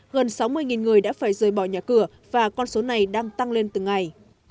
gần sáu mươi người đã phải rời bỏ nhà cửa và con số này đang tăng lên từng ngày